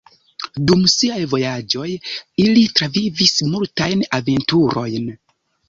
Dum siaj vojaĝoj ili travivis multajn aventurojn.